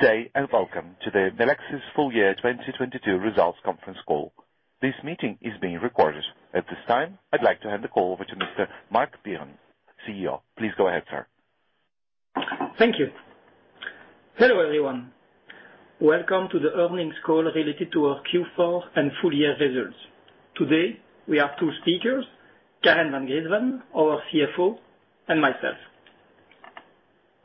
Good day, welcome to the Melexis full year 2022 results conference call. This meeting is being recorded. At this time, I'd like to hand the call over to Mr. Marc Biron, CEO. Please go ahead, sir. Thank you. Hello, everyone. Welcome to the earnings call related to our Q4 and full year results. Today, we have two speakers, Karen Van Griensven, our CFO, and myself.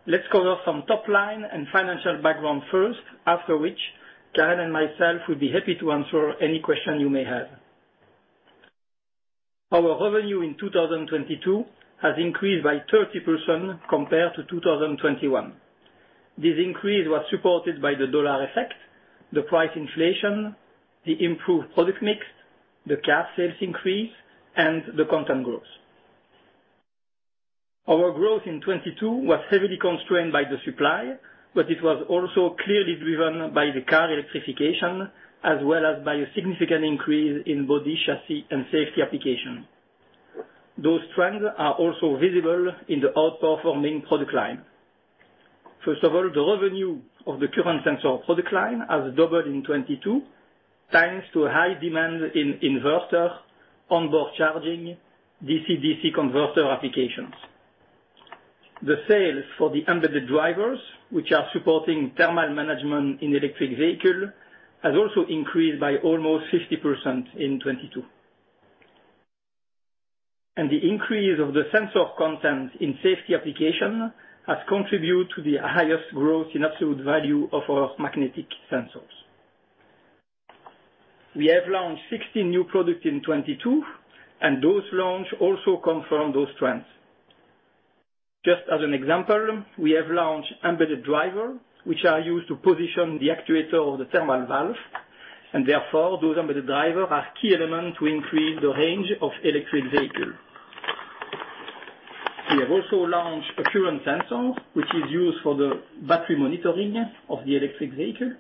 Let's cover some top line and financial background first, after which Karen and myself will be happy to answer any question you may have. Our revenue in 2022 has increased by 30% compared to 2021. This increase was supported by the dollar effect, the price inflation, the improved product mix, the car sales increase, and the content growth. Our growth in 22 was heavily constrained by the supply, it was also clearly driven by the car electrification as well as by a significant increase in body chassis and safety application. Those trends are also visible in the outperforming product line. First of all, the revenue of the current sensor product line has doubled in 22, thanks to high demand in inverter, onboard charging DC/DC converter applications. The sales for the embedded drivers, which are supporting thermal management in electric vehicle, has also increased by almost 50% in 22. The increase of the sensor content in safety application has contributed to the highest growth in absolute value of our Magnetic Sensors. We have launched 16 new products in 22, and those launch also confirm those trends. Just as an example, we have launched embedded driver, which are used to position the actuator of the thermal valve, and therefore those embedded driver are key element to increase the range of electric vehicle. We have also launched a current sensor, which is used for the battery monitoring of the electric vehicle,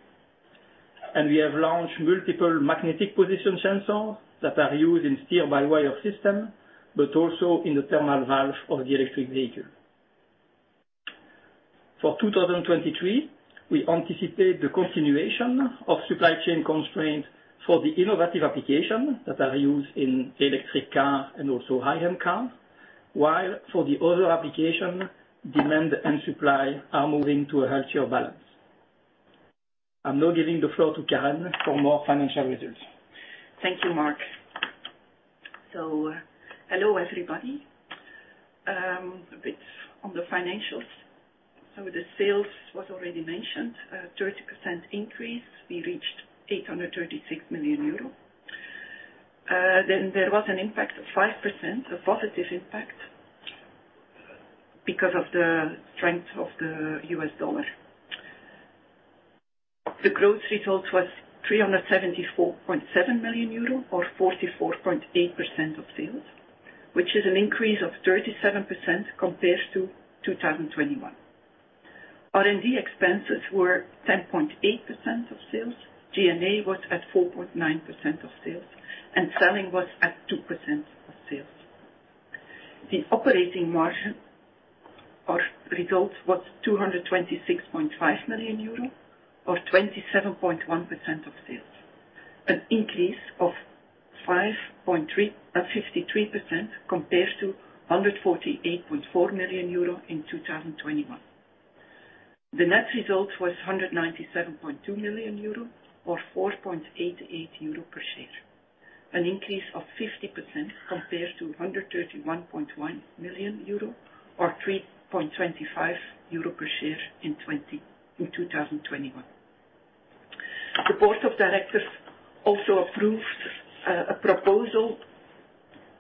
and we have launched multiple Magnetic Position Sensors that are used in steer-by-wire system, but also in the thermal valve of the electric vehicle. For 2023, we anticipate the continuation of supply chain constraints for the innovative application that are used in electric car and also high-end car, while for the other application, demand and supply are moving to a healthier balance. I'm now giving the floor to Karen for more financial results. Thank you, Marc. Hello, everybody. A bit on the financials. The sales was already mentioned, a 30% increase. We reached 836 million euro. There was an impact of 5%, a positive impact because of the strength of the US dollar. The growth result was 374.7 million euro or 44.8% of sales, which is an increase of 37% compared to 2021. R&D expenses were 10.8% of sales. G&A was at 4.9% of sales, and selling was at 2% of sales. The operating margin or results was 226.5 million euro or 27.1% of sales, an increase of 5.3... 53% compared to 148.4 million euro in 2021. The net result was 197.2 million euro or 4.88 euro per share, an increase of 50% compared to 131.1 million euro or 3.25 euro per share in 2021. The board of directors also approved a proposal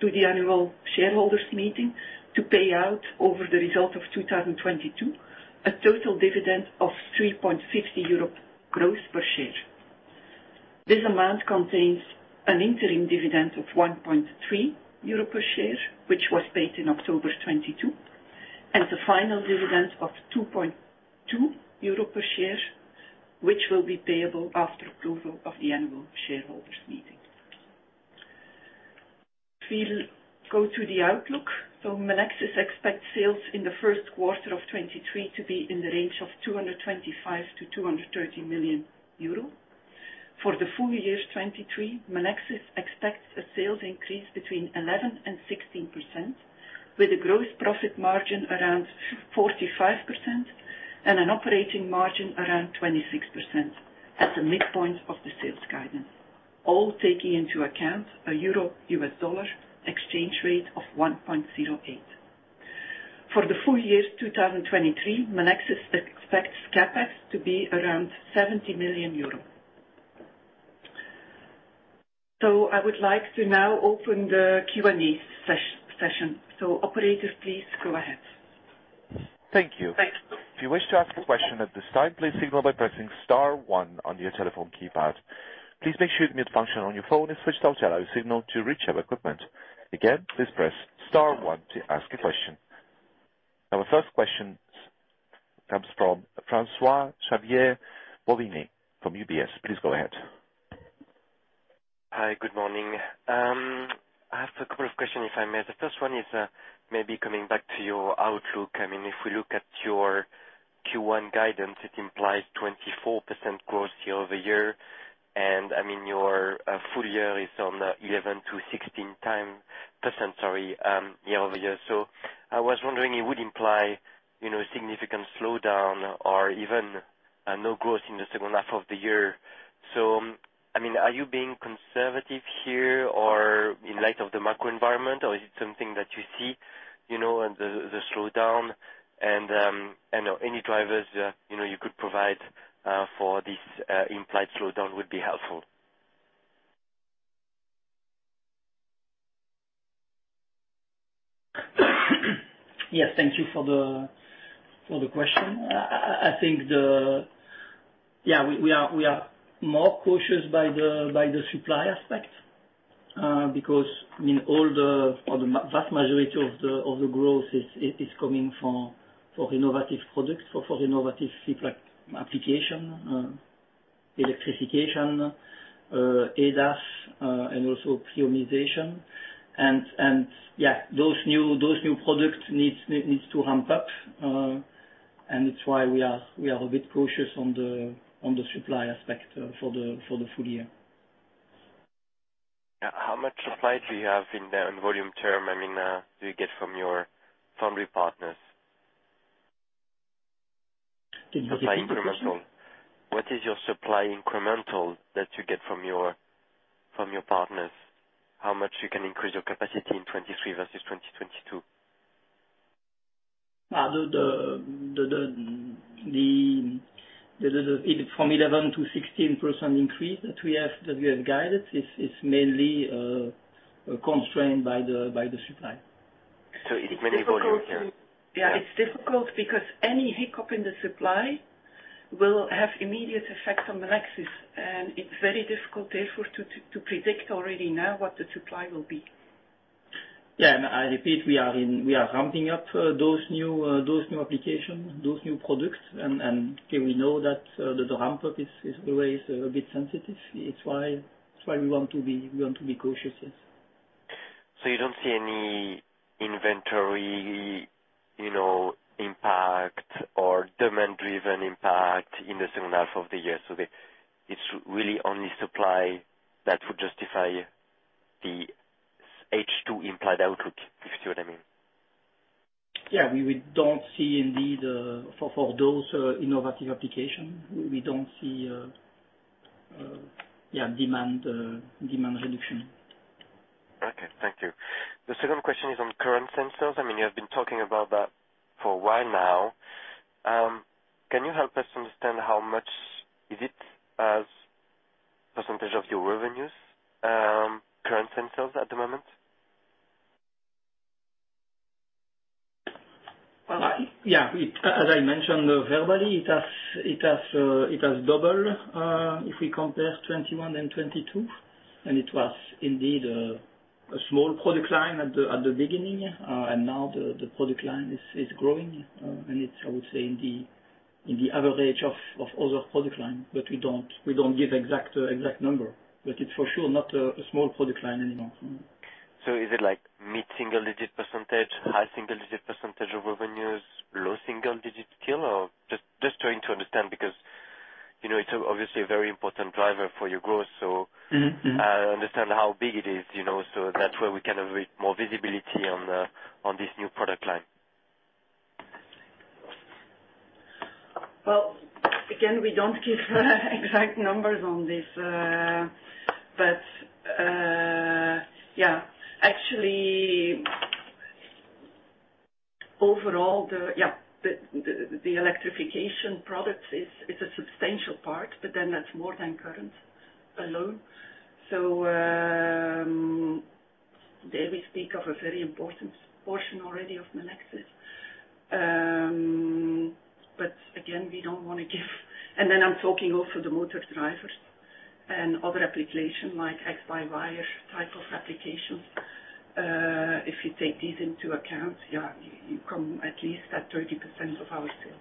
to the annual shareholders' meeting to pay out over the result of 2022 a total dividend of 3.50 euro gross per share. This amount contains an interim dividend of 1.30 euro per share, which was paid in October 2022, and the final dividend of 2.20 euro per share, which will be payable after approval of the annual shareholders' meeting. We'll go to the outlook. Melexis expects sales in the first quarter of 2023 to be in the range of 225 million-230 million euro. For the full year 2023, Melexis expects a sales increase between 11%-16% with a growth profit margin around 45% and an operating margin around 26% at the midpoint of the sales guidance, all taking into account a EUR USD exchange rate of 1.08. For the full year 2023, Melexis expects CapEx to be around 70 million euros. I would like to now open the Q&A session. Operator, please go ahead. Thank you. Thanks. If you wish to ask a question at this time, please signal by pressing star one on your telephone keypad. Please make sure your mute function on your phone is switched off to allow your signal to reach our equipment. Again, please press star one to ask a question. Our first question comes from François-Xavier Bouvignies from UBS. Please go ahead. Hi, good morning. I have a couple of questions if I may. The first one is, maybe coming back to your outlook. I mean, if we look at your Q1 guidance, it implies 24% growth year-over-year, and I mean your full year is on 11%-16%, sorry, year-over-year. I was wondering, it would imply, you know, significant slowdown or even, no growth in the second half of the year. I mean, are you being conservative here or in light of the macro environment, or is it something that you see, you know, the slowdown and, I know any drivers, you know, you could provide for this implied slowdown would be helpful. Yes. Thank you for the question. I think the we are more cautious by the supply aspect, because I mean all the, or the vast majority of the growth is coming from innovative products for innovative SiC application, electrification, ADAS, and also pre-optimization. those new products needs to ramp up, and it's why we are a bit cautious on the supply aspect for the full year. How much supply do you have in there in volume term, I mean, do you get from your foundry partners? Can you repeat the question? Supply incremental. What is your supply incremental that you get from your, from your partners? How much you can increase your capacity in 2023 versus 2022? The 11% to 16% increase that we have guided is mainly constrained by the supply. It's mainly volume here. Yeah. It's difficult because any hiccup in the supply will have immediate effect on the Melexis. It's very difficult therefore to predict already now what the supply will be. Yeah. I repeat, we are ramping up those new applications, those new products. Here we know that the ramp up is always a bit sensitive. It's why we want to be cautious. Yes. You don't see any inventory, you know, impact or demand-driven impact in the second half of the year. It's really only supply that would justify the H2 implied outlook, if you see what I mean. Yeah. We don't see indeed, for those innovative application, we don't see demand reduction. Okay. Thank you. The second question is on current sensors. I mean, you have been talking about that for a while now. Can you help us understand how much is it as % of your revenues, current sensors at the moment? As I mentioned verbally, it has doubled, if we compare 2021 and 2022, and it was indeed a small product line at the beginning. Now the product line is growing. It's, I would say in the average of other product line, but we don't give exact number. It's for sure not a small product line anymore. Is it like mid-single digit %, high single digit % of revenues, low single digit still? Just trying to understand because, you know, it's obviously a very important driver for your growth. Mm-hmm. Mm-hmm. understand how big it is, you know. That way we can have a bit more visibility on this new product line. Again, we don't give exact numbers on this, but, yeah. Overall the electrification products is, it's a substantial part, that's more than Current alone. There we speak of a very important portion already of Melexis. Again, we don't wanna give... I'm talking also the Motor Drivers and other application like x-by-wire type of applications. If you take these into account, you come at least at 30% of our sales.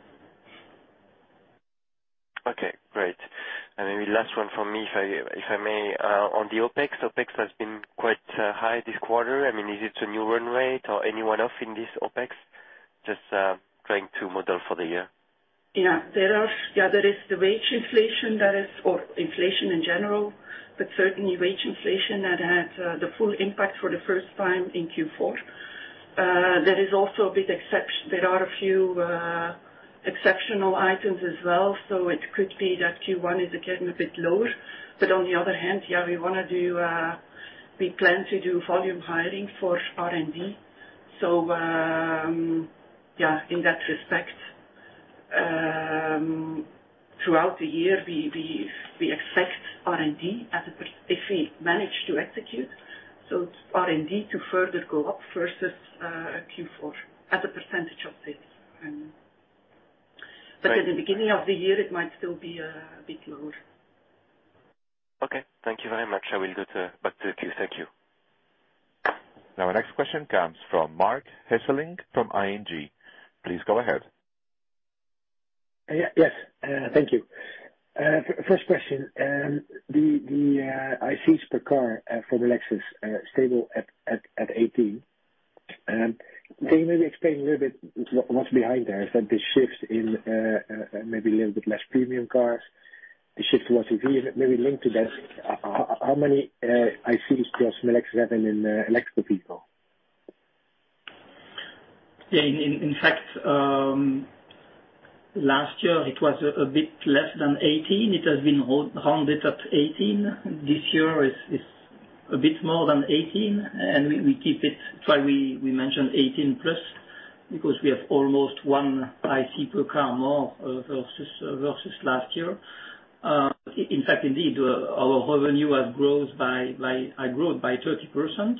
Okay, great. Maybe last one for me if I may. On the OpEx. OpEx has been quite high this quarter. I mean, is it a new run rate or any one-off in this OpEx? Just trying to model for the year. There is the wage inflation that is, or inflation in general, but certainly wage inflation that had the full impact for the 1st time in Q4. There are a few exceptional items as well. It could be that Q1 is again, a bit lower. We wanna do, we plan to do volume hiring for R&D. In that respect, throughout the year, we expect R&D to further go up versus Q4 as a percentage of sales. Right. At the beginning of the year it might still be a bit lower. Okay. Thank you very much. I will go back to the queue. Thank you. Our next question comes from Marc Hesselink from ING. Please go ahead. Yeah. Yes. Thank you. First question. The ICs per car from Melexis stable at 18. Can you maybe explain a little bit what's behind there? Is that the shift in maybe a little bit less premium cars, the shift towards EV. Maybe linked to that, how many ICs does Melexis have in electric vehicle? In fact, last year it was a bit less than 18. It has been rounded up to 18. This year is a bit more than 18. We keep it. That's why we mention 18 plus, because we have almost one IC per car more versus last year. In fact, indeed, our revenue has grown by 30%.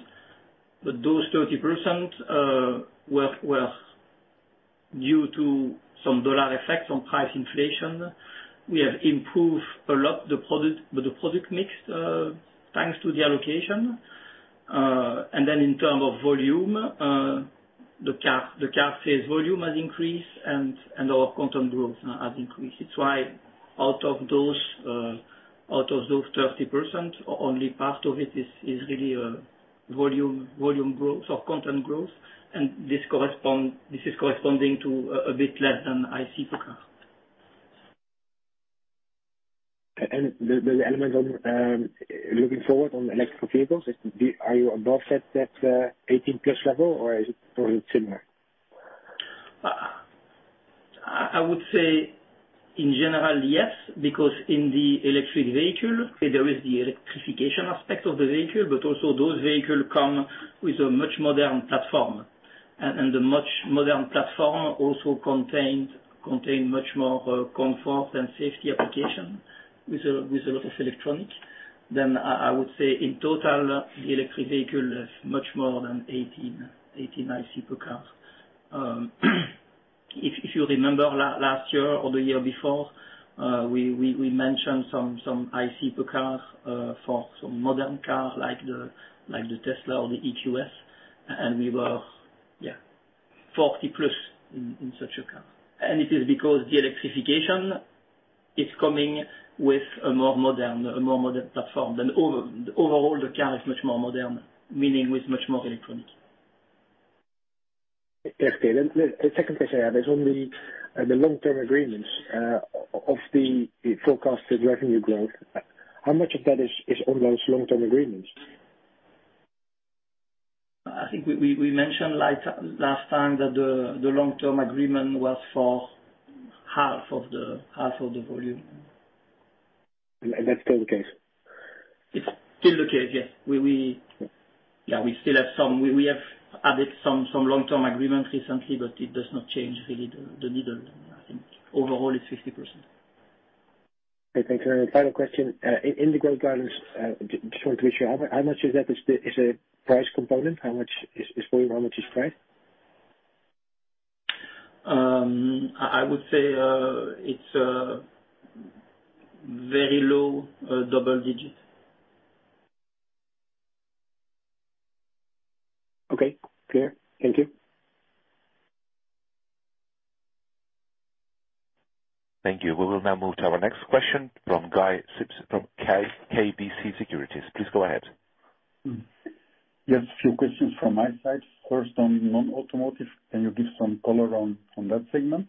Those 30% were due to some dollar effects on price inflation. We have improved a lot the product with the product mix thanks to the allocation. In terms of volume, the car sales volume has increased and our content growth has increased. It's why out of those, out of those 30%, only part of it is really, volume growth or content growth. This is corresponding to a bit less than IC per car. The element of looking forward on electric vehicles, Are you above that 18-plus level, or is it more or less similar? I would say in general, yes, because in the electric vehicle there is the electrification aspect of the vehicle, but also those vehicle come with a much modern platform. The much modern platform also contain much more comfort and safety application with a lot of electronic. I would say in total, the electric vehicle is much more than 18 IC per car. If you remember last year or the year before, we mentioned some IC per car for some modern cars like the Tesla or the EQS, and we were, yeah, 40 plus in such a car. It is because the electrification is coming with a more modern platform. Overall, the car is much more modern, meaning with much more electronics. Okay. The second question I have is on the long-term agreements, of the forecasted revenue growth. How much of that is on those long-term agreements? I think we mentioned last time that the long-term agreement was for half of the volume. That's still the case? It's still the case, yes. We still have some. We have added some long-term agreement recently, it does not change really the needle. I think overall it's 50%. Okay, thank you. Final question. In the growth guidance, just want to be sure. How much of that is the price component? How much is volume? How much is price? I would say it's very low double digit. Okay, clear. Thank you. Thank you. We will now move to our next question from Guy Sips from KBC Securities. Please go ahead. Yes, a few questions from my side. First on non-automotive. Can you give some color on that segment?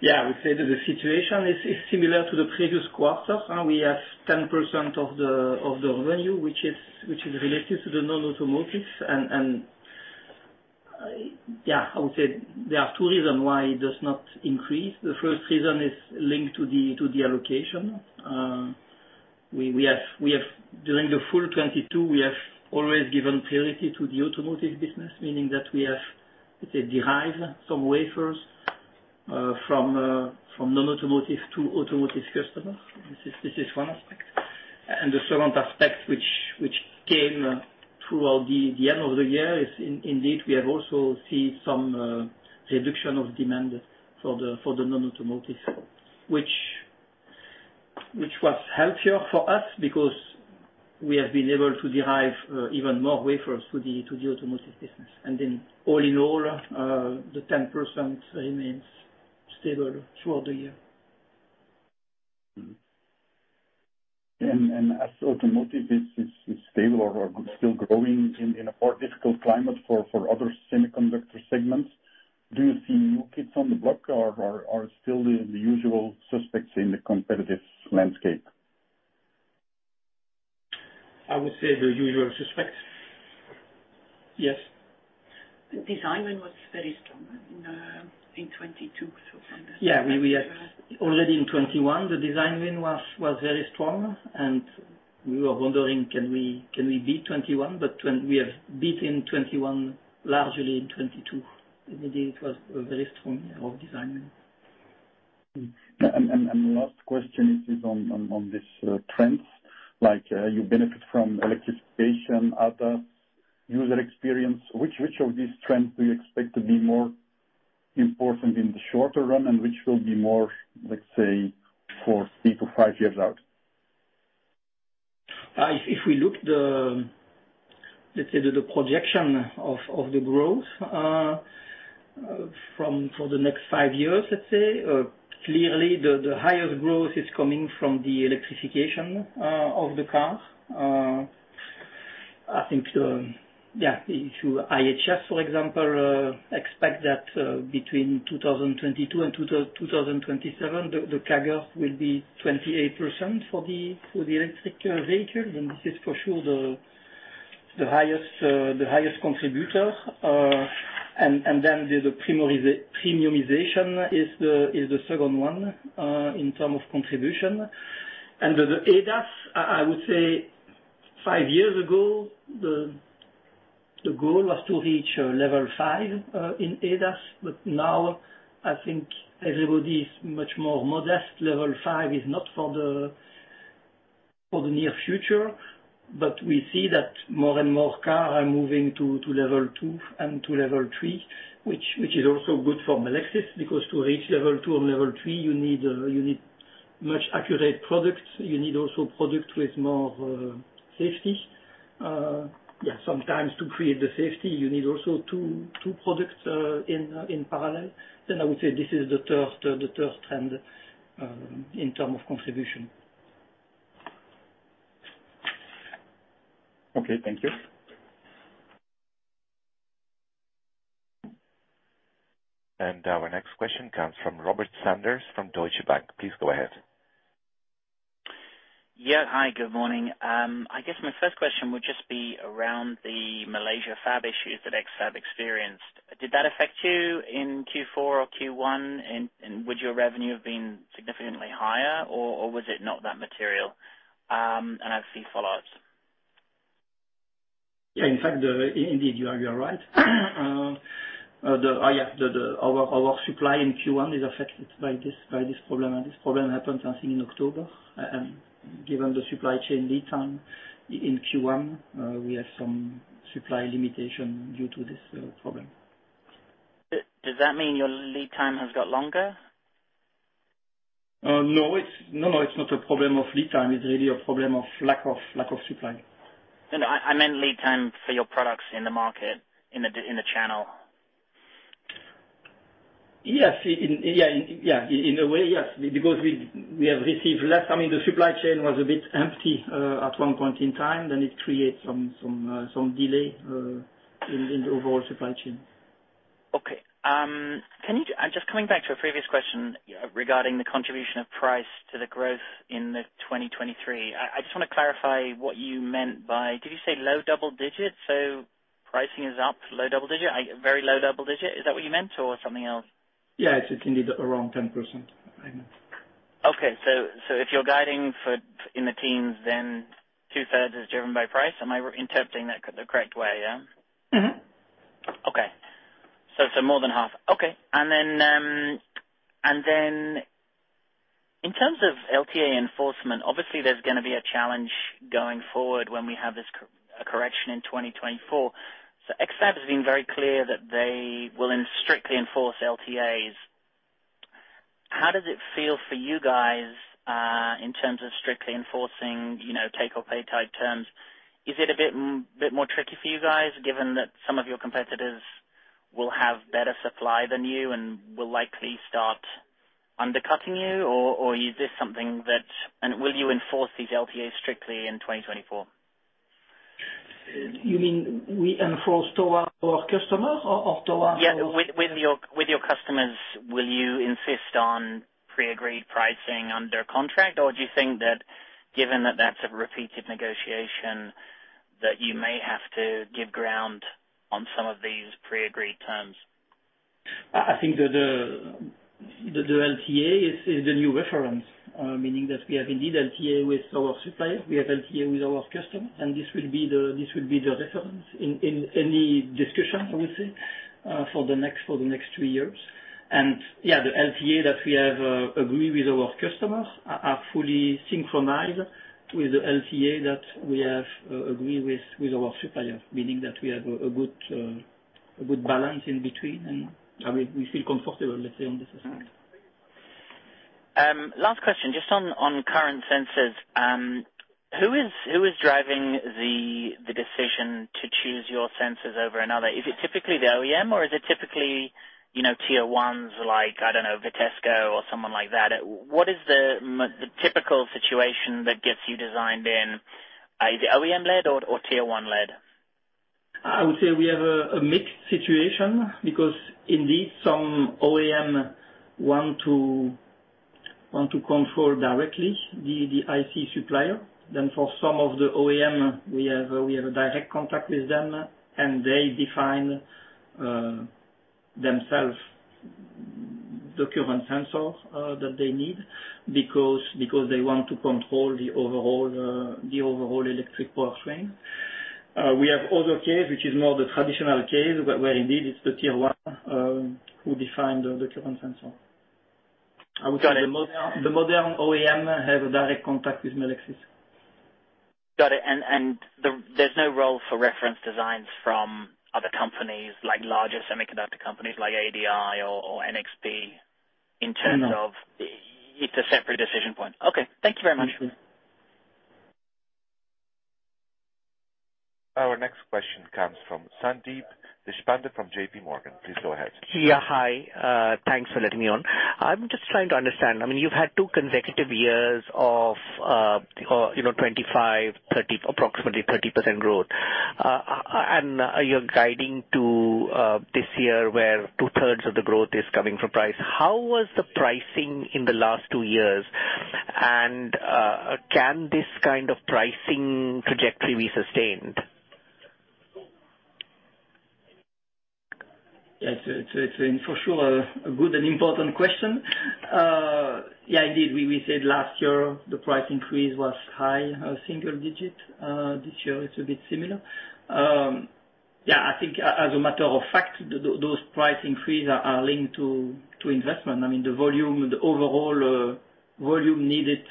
Yeah, I would say that the situation is similar to the previous quarter. We have 10% of the revenue, which is related to the non-automotives. Yeah, I would say there are two reason why it does not increase. The first reason is linked to the allocation. During the full 2022, we have always given priority to the automotive business, meaning that we have, let's say, derive some wafers from non-automotive to automotive customers. This is one aspect. The second aspect which came throughout the end of the year is indeed, we have also seen some reduction of demand for the non-automotive, which was healthier for us because we have been able to derive even more wafers to the automotive business. All in all, the 10% remains stable throughout the year. Mm-hmm. As automotive is, is stable or still growing in a more difficult climate for other semiconductor segments, do you see new kids on the block or are still the usual suspects in the competitive landscape? I would say the usual suspects. Yes. The design win was very strong in 2022 so far. Yeah. We have. Already in 2021, the design win was very strong. We were wondering, can we beat 2021? When we have beaten 2021 largely in 2022. Indeed, it was a very strong year of design win. Last question is on this trends. Like, you benefit from electrification, ADAS, user experience. Which of these trends do you expect to be more important in the shorter run and which will be more, let's say, 3 to 5 years out? if we look the, let's say, the projection of the growth for the next five years, let's say, clearly the highest growth is coming from the electrification of the cars. IHS, for example, expect that between 2022 and 2027, the CAGR will be 28% for the electric vehicles. This is for sure the highest contributor. and then the premiumization is the second one in term of contribution. With the ADAS, I would say five years ago, the goal was to reach Level 5 in ADAS, now I think everybody is much more modest. Level 5 is not for the near future. We see that more and more car are moving to Level 2 and to Level 3, which is also good for Melexis because to reach Level 2 and Level 3, you need much accurate products. You need also product with more safety. Yeah, sometimes to create the safety, you need also 2 products in parallel. I would say this is the third trend in term of contribution. Okay, thank you. Our next question comes from Robert Sanders from Deutsche Bank. Please go ahead. Yeah. Hi, good morning. I guess my first question would just be around the Malaysia fab issues that X-Fab experienced. Did that affect you in Q4 or Q1? Would your revenue have been significantly higher or was it not that material? I've few follow-ups. In fact, indeed, you are right. Our supply in Q1 is affected by this problem, and this problem happened, I think, in October. Given the supply chain lead time in Q1, we have some supply limitation due to this problem. Does that mean your lead time has got longer? No, it's not a problem of lead time. It's really a problem of lack of supply. No, no, I meant lead time for your products in the market, in the channel. Yes, in a way, yes, because we have received less. I mean, the supply chain was a bit empty at one point in time. It creates some delay in the overall supply chain. Okay. Can you... I'm just coming back to a previous question regarding the contribution of price to the growth in 2023. I just wanna clarify what you meant by... Did you say low double digits? Pricing is up low double digit. Very low double digit. Is that what you meant or something else? Yes. It's indeed around 10%. I know. Okay. If you're guiding for, in the teens, then two-thirds is driven by price. Am I interpreting that the correct way, yeah? Mm-hmm. Okay. more than half. Okay. In terms of LTA enforcement, obviously there's gonna be a challenge going forward when we have this a correction in 2024. X-Fab has been very clear that they will strictly enforce LTAs. How does it feel for you guys, in terms of strictly enforcing, you know, take or pay type terms? Is it a bit more tricky for you guys given that some of your competitors will have better supply than you and will likely start undercutting you? Will you enforce these LTAs strictly in 2024? You mean we enforce toward our customers or toward- Yeah. With your customers, will you insist on pre-agreed pricing under contract? Do you think that given that that's a repeated negotiation, that you may have to give ground on some of these pre-agreed terms? I think the LTA is the new reference, meaning that we have indeed LTA with our supplier, we have LTA with our customer, and this will be the reference in any discussion, I would say, for the next three years. Yeah, the LTA that we have agreed with our customers are fully synchronized with the LTA that we have agreed with our supplier, meaning that we have a good balance in between and we feel comfortable, let's say, on this aspect. Last question, just on current sensors. Who is driving the decision to choose your sensors over another? Is it typically the OEM or is it typically, you know, tier ones like, I don't know, Vitesco or someone like that? What is the typical situation that gets you designed in, either OEM-led or tier one-led? I would say we have a mixed situation because indeed some OEM want to control directly the IC supplier. For some of the OEM, we have a direct contact with them, and they define themselves the current sensor that they need because they want to control the overall electric powertrain. We have other case, which is more the traditional case where indeed it's the tier one who define the current sensor. I would say the modern OEM have a direct contact with Melexis. Got it. There's no role for reference designs from other companies, like larger semiconductor companies like ADI or NXP in terms of... No. It's a separate decision point. Okay. Thank you very much. Mm-hmm. Our next question comes from Sandeep Deshpande from J.P. Morgan. Please go ahead. Yeah, hi. Thanks for letting me on. I'm just trying to understand. I mean, you've had 2 consecutive years of, you know, 25, approximately 30% growth. You're guiding to this year, where two-thirds of the growth is coming from price. How was the pricing in the last 2 years? Can this kind of pricing trajectory be sustained? Yes. It's for sure a good and important question. Yeah, indeed, we said last year the price increase was high, single digit. This year it's a bit similar. Yeah, I think as a matter of fact, those price increase are linked to investment. I mean, the volume, the overall volume needed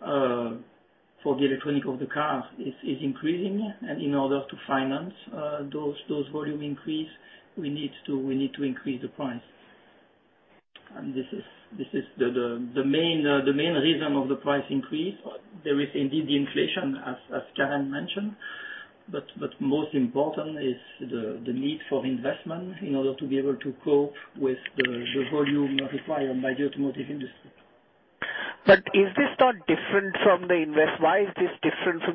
for the electronic of the cars is increasing. In order to finance those volume increase, we need to increase the price. This is the main reason of the price increase. There is indeed the inflation, as Karen mentioned, but most important is the need for investment in order to be able to cope with the volume required by the automotive industry. Why is this different from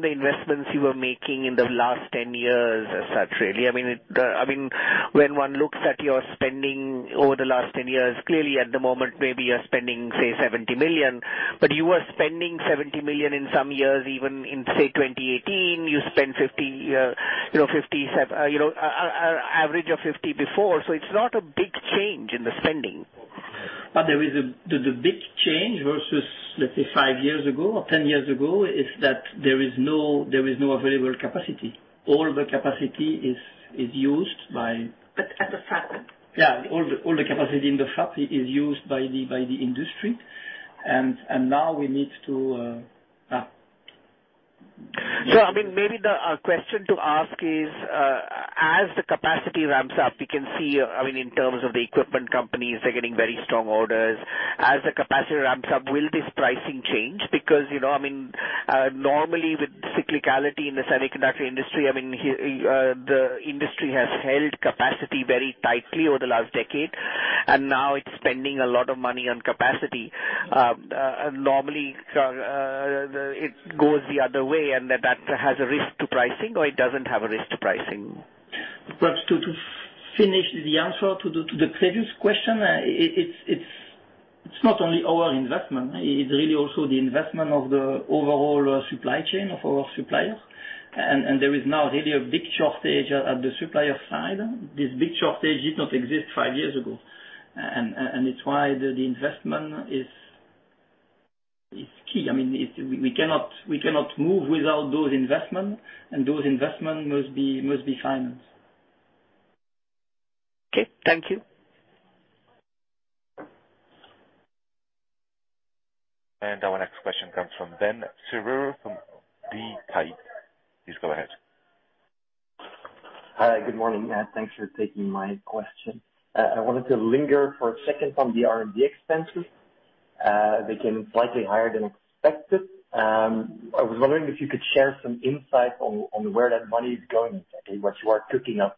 the investments you were making in the last 10 years as such, really? I mean, I mean, when one looks at your spending over the last 10 years, clearly at the moment, maybe you're spending, say, 70 million, but you were spending 70 million in some years, even in, say, 2018, you spent 50 million, you know, You know, an average of 50 million before. It's not a big change in the spending. There is the big change versus, let's say, 5 years ago or 10 years ago is that there is no available capacity. All the capacity is used. At the fab. Yeah. All the capacity in the fab is used by the industry. Now we need to. I mean, maybe the question to ask is, as the capacity ramps up, we can see, I mean, in terms of the equipment companies, they're getting very strong orders. As the capacity ramps up, will this pricing change? You know, I mean, normally with cyclicality in the semiconductor industry, I mean, the industry has held capacity very tightly over the last decade, and now it's spending a lot of money on capacity. Normally, it goes the other way, and that has a risk to pricing, or it doesn't have a risk to pricing. Perhaps to finish the answer to the previous question, it's not only our investment. It's really also the investment of the overall supply chain of our suppliers. There is now really a big shortage at the supplier side. This big shortage did not exist five years ago. It's why the investment is key. I mean, we cannot move without those investment, and those investment must be financed. Okay. Thank you. Our next question comes from Ben Sever from BTIG. Please go ahead. Hi. Good morning, and thanks for taking my question. I wanted to linger for a second on the R&D expenses. They came in slightly higher than expected. I was wondering if you could share some insight on where that money is going exactly, what you are cooking up.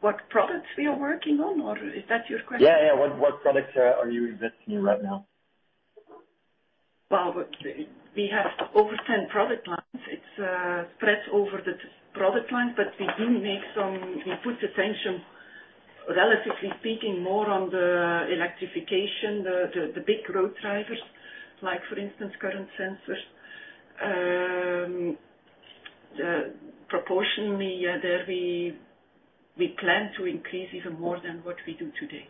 What products we are working on, or is that your question? Yeah, yeah. What products are you investing in right now? We have over 10 product lines. It's spread over the t-product line, but we do make some... We put attention, relatively speaking, more on the electrification, the big road drivers, like, for instance, current sensors. Proportionally, yeah, there we plan to increase even more than what we do today.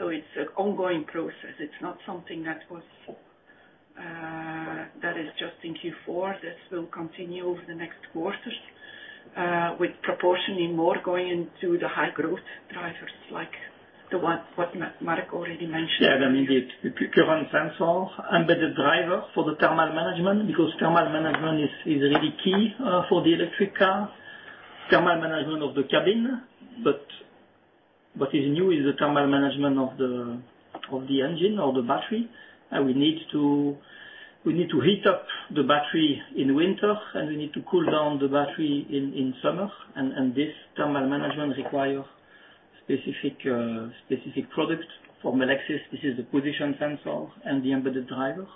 It's an ongoing process. It's not something that was that is just in Q4. This will continue over the next quarters, with proportionally more going into the high growth drivers like the one what Marc already mentioned. Yeah. I mean, the current sensor and the driver for the thermal management, because thermal management is really key for the electric car. Thermal management of the cabin. What is new is the thermal management of the engine or the battery. We need to heat up the battery in winter, we need to cool down the battery in summer. This thermal management require specific product. For Melexis, this is a position sensor and the embedded driver.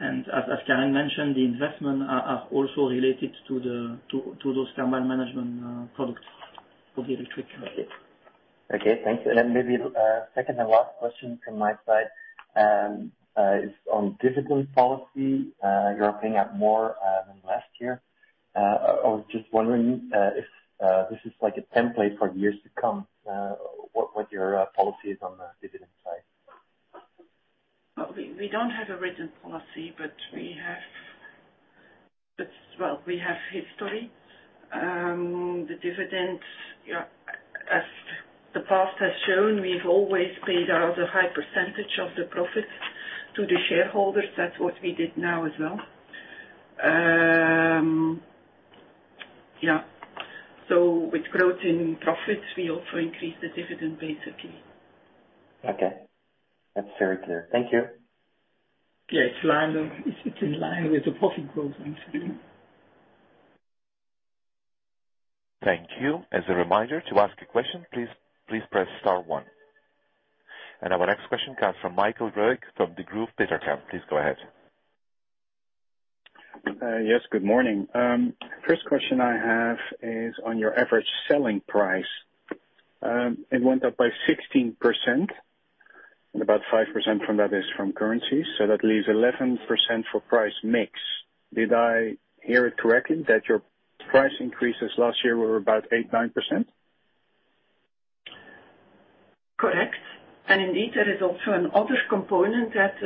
As Karen mentioned, the investment are also related to those thermal management products for the electric car. Okay. Thanks. Maybe, second and last question from my side, is on dividend policy. You are paying out more, than last year. I was just wondering, if, this is like a template for years to come, what your, policy is on the dividend side. Well, we don't have a written policy, but. Well, we have history. The dividend, as the past has shown, we've always paid out a high percentage of the profit to the shareholders. That's what we did now as well. With growth in profits, we also increase the dividend basically. Okay. That's very clear. Thank you. Yes. It's in line with the profit growth, basically. Thank you. As a reminder, to ask a question, please press star one. Our next question comes from Michael Roig of Degroof Petercam. Please go ahead. Yes, good morning. First question I have is on your average selling price. It went up by 16%. About 5% from that is from currency. That leaves 11% for price mix. Did I hear it correctly that your price increases last year were about 8%-9%? Correct. Indeed, there is also an other component that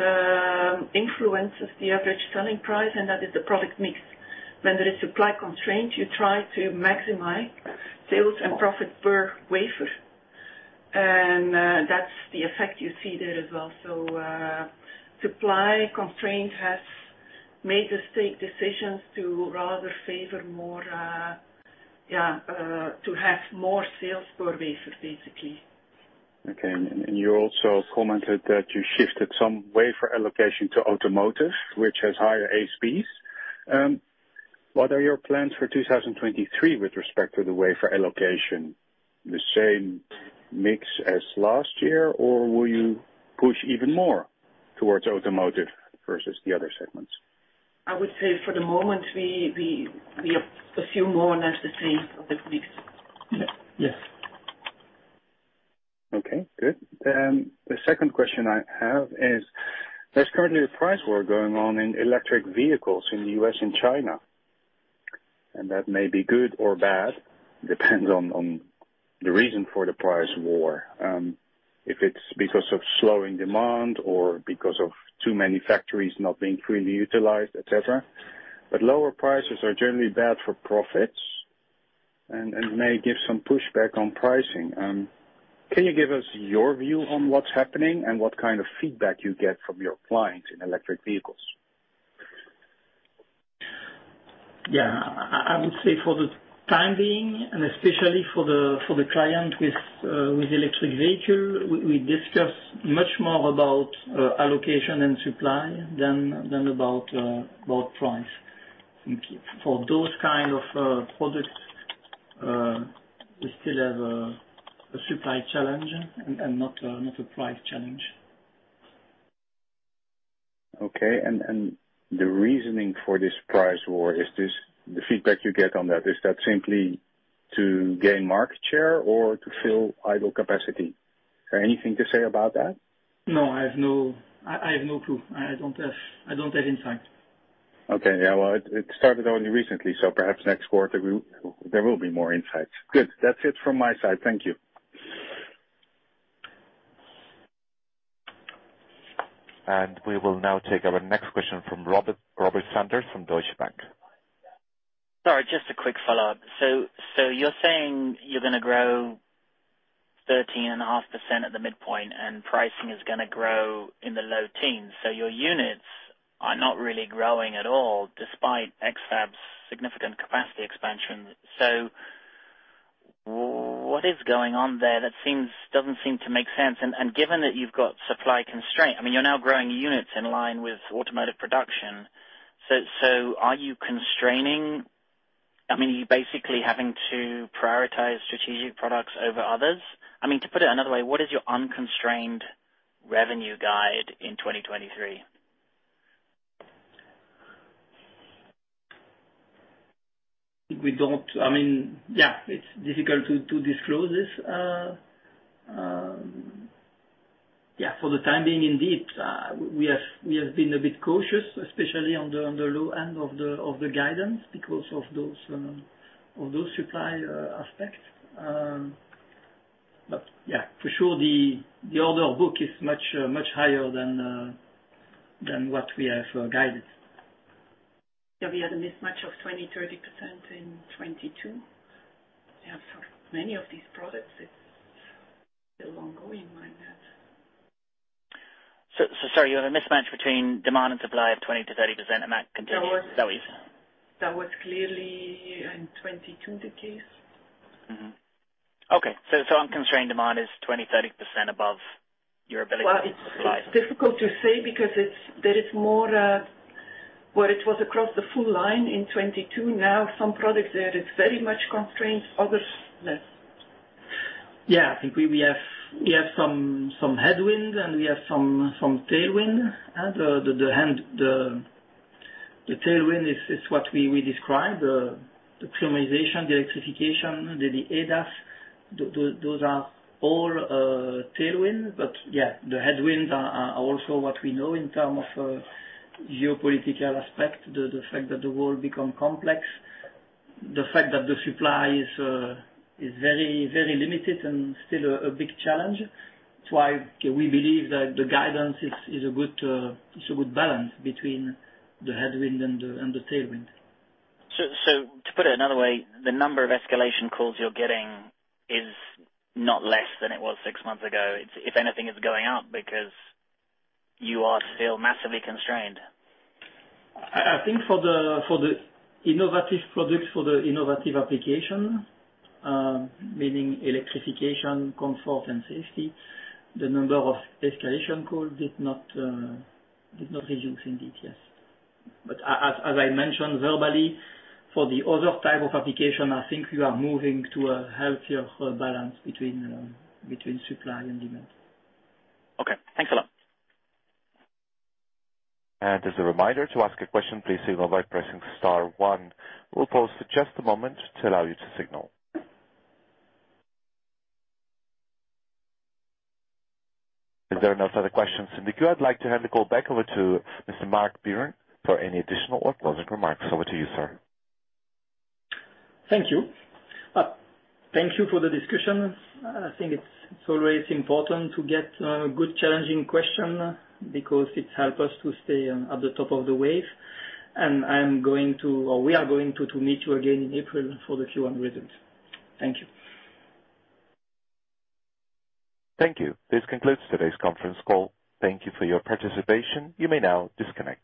influences the average selling price, and that is the product mix. When there is supply constraint, you try to maximize sales and profit per wafer. That's the effect you see there as well. Supply constraint has made us take decisions to rather favor more to have more sales per wafer, basically. Okay. You also commented that you shifted some wafer allocation to automotive, which has higher ASPs. What are your plans for 2023 with respect to the wafer allocation? The same mix as last year, or will you push even more towards automotive versus the other segments? I would say for the moment, we have a few more or less the same of the mix. Yeah. Yes. Okay, good. The second question I have is, there's currently a price war going on in electric vehicles in the U.S. and China, and that may be good or bad, depends on the reason for the price war. If it's because of slowing demand or because of too many factories not being fully utilized, et cetera. Lower prices are generally bad for profits and may give some pushback on pricing. Can you give us your view on what's happening and what kind of feedback you get from your clients in electric vehicles? Yeah. I would say for the time being, especially for the client with electric vehicle, we discuss much more about allocation and supply than about price. For those kind of products, we still have a supply challenge and not a price challenge. Okay. The reasoning for this price war is this, the feedback you get on that, is that simply to gain market share or to fill idle capacity? Is there anything to say about that? No, I have no clue. I don't have insight. Okay. Yeah. Well, it started only recently, perhaps next quarter there will be more insights. Good. That's it from my side. Thank you. We will now take our next question from Robert Sanders from Deutsche Bank. Sorry, just a quick follow-up. You're saying you're gonna grow 13.5% at the midpoint, and pricing is gonna grow in the low teens. Your units are not really growing at all despite X-Fab's significant capacity expansion. What is going on there that doesn't seem to make sense? Given that you've got supply constraint, I mean, you're now growing units in line with automotive production. Are you constraining? I mean, are you basically having to prioritize strategic products over others? I mean, to put it another way, what is your unconstrained revenue guide in 2023? We don't I mean, yeah, it's difficult to disclose this. Yeah, for the time being, indeed, we have been a bit cautious, especially on the low end of the guidance because of those of those supply aspects. Yeah, for sure, the order of book is much higher than what we have guided. Yeah, we had a mismatch of 20%, 30% in 2022. Yeah, for many of these products, it's still ongoing like that. Sorry, you have a mismatch between demand and supply of 20%-30% and that continues, is that what you're saying? That was clearly in 2022 the case. Mm-hmm. Okay. Unconstrained demand is 20%, 30% above your ability to supply. It's difficult to say because there is more where it was across the full line in 2022. Now, some products there, it's very much constrained, others less. Yeah. I think we have some headwind and we have some tailwind. The tailwind is what we described. The premiumization, the electrification, the ADAS, those are all tailwind. Yeah, the headwinds are also what we know in term of geopolitical aspect, the fact that the world become complex, the fact that the supply is very limited and still a big challenge. It's why we believe that the guidance is a good balance between the headwind and the tailwind. To put it another way, the number of escalation calls you're getting is not less than it was six months ago. It's, if anything, it's going up because you are still massively constrained. I think for the innovative products, for the innovative application, meaning electrification, comfort, and safety, the number of escalation call did not reduce indeed. Yes. As I mentioned verbally, for the other type of application, I think we are moving to a healthier balance between supply and demand. Okay. Thanks a lot. As a reminder, to ask a question, please signal by pressing star 1. We'll pause for just a moment to allow you to signal. If there are no further questions in the queue, I'd like to hand the call back over to Mr. Marc Biron for any additional or closing remarks. Over to you, sir. Thank you. Thank you for the discussion. I think it's always important to get a good challenging question because it help us to stay at the top of the wave. We are going to meet you again in April for the Q1 results. Thank you. Thank you. This concludes today's conference call. Thank you for your participation. You may now disconnect.